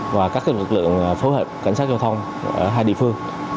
và các lực lượng phối hợp cảnh sát giao thông ở hai địa phương